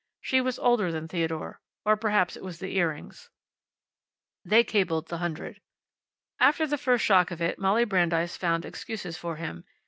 She was older than Theodore. Or perhaps it was the earrings. They cabled the hundred. After the first shock of it Molly Brandeis found excuses for him.